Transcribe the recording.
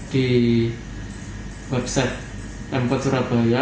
di website m empat surabaya